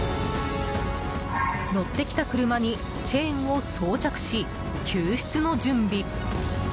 乗ってきた車にチェーンを装着し救出の準備。